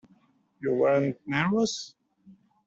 You weren't nervous?